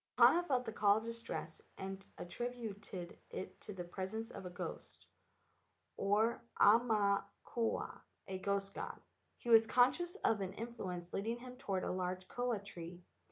Mahana felt the call of distress, and attrib¬ uted it to the presence of a ghost, or aumakua, a ghost god. He was conscious of an influence leading him toward a large koa tree.